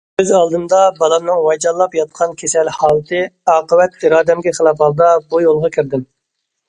كۆز ئالدىمدا بالامنىڭ ۋايجانلاپ ياتقان كېسەل ھالىتى، ئاقىۋەت ئىرادەمگە خىلاپ ھالدا بۇ يولغا كىردىم.